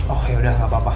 oh yaudah gapapa pak